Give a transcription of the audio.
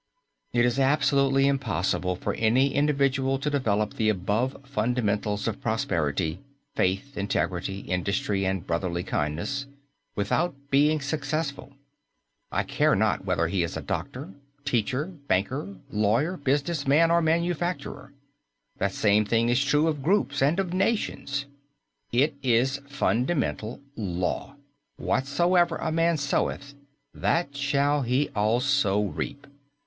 It is absolutely impossible for any individual to develop the above fundamentals of prosperity, faith, integrity, industry and brotherly kindness without being successful. I care not whether he is a doctor, teacher, banker, lawyer, business man or manufacturer. That same thing is true of groups and of nations. It is fundamental law, "Whatsoever a man soweth that shall he also reap."